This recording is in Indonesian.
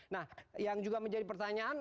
nah yang juga menjadi pertanyaan